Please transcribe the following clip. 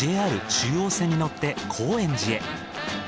中央線に乗って高円寺へ。